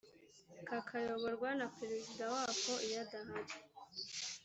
kakayoborwa na perezida wako iyo adahari